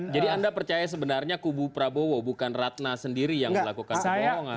jadi anda percaya sebenarnya kubu prabowo bukan rathnasarumpaid sendiri yang melakukan bohongan